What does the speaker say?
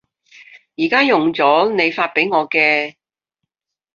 而家用咗你發畀我嘅